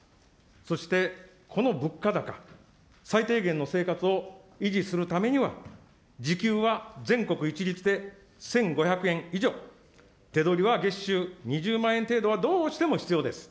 そしてこの物価高、最低限の生活を維持するためには、時給は全国一律で１５００円以上、手取りは月収２０万円程度はどうしても必要です。